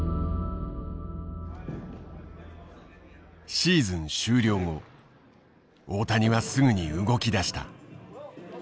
シーズン終了後大谷はすぐに動き出した。